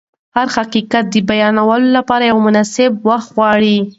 هر حقیقت د بیانولو لپاره یو مناسب وخت غواړي.